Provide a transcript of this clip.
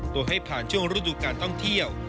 โดยให้ผ่านช่วงฤดูการท่องเที่ยว